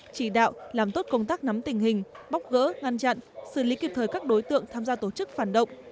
chỉ đạo làm tốt công tác nắm tình hình bóc gỡ ngăn chặn xử lý kịp thời các đối tượng tham gia tổ chức phản động